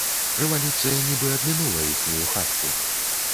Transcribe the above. Рэвалюцыя нібы абмінула іхнюю хатку.